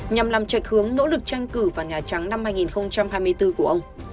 nhằm làm trạch hướng nỗ lực tranh cử vào nhà trắng năm hai nghìn hai mươi bốn của ông